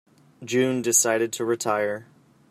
June decided to retire.